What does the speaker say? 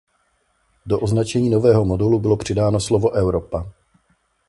Do označení nového modelu bylo přidáno slovo "Europa".